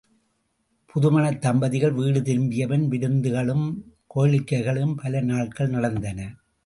புது மணத்தம்பதிகள் வீடு திரும்பியபின் விருந்துகளும் கேளிக்கைகளும் பல நாள்கள் நடந்தன.